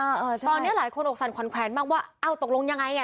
เออใช่ตอนนี้หลายคนอกสั่นขวัญแขวนมากว่าเอ้าตกลงยังไงอ่ะ